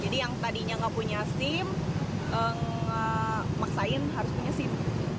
jadi yang tadinya nggak punya sim maksain harus punya sim